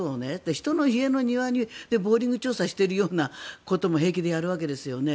人の家の庭でボーリング調査をしているようなことも平気でやるわけですよね。